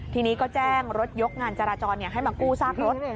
ทีนี้ก็แจ้งรถยกงานจราจรให้มากู้ซากรถ